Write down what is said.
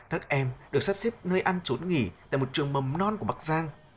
các em được sắp xếp nơi ăn trốn nghỉ tại một trường mầm non của bắc giang